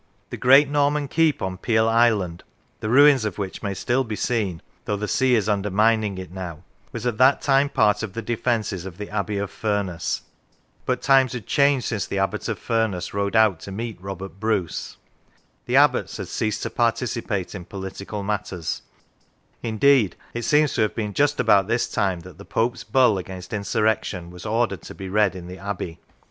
The great Norman Keep on Piel Island, the ruins of which may still be seen, though the sea is undermining it now, was at that time part of the defences of the Abbey of Furness, but times had changed since the Abbot of Furness rode out to meet Robert Bruce; the Abbots had ceased to participate in political matters; indeed it seems to have been just about this time that the Pope's bull against insurrec tion was ordered to be read in the Abbey.